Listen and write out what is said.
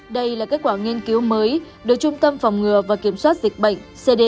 đây là kết quả nghiên cứu mới được trung tâm phòng ngừa và kiểm soát dịch bệnh cdc